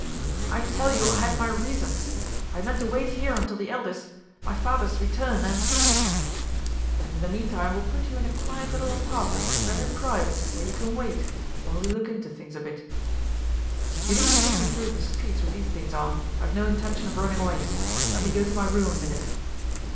"I tell you I had my reasons. I meant to wait here until the Elder's my father's return and " "And in the meantime we'll put you in a quiet little apartment, very private, where you can wait, while we look into things a bit." "You needn't take me through the streets with these things on; I've no intention of running away. Let me go to my room a minute."